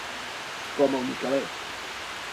Com el Micalet.